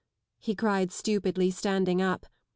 " he cried stupidly, standing up.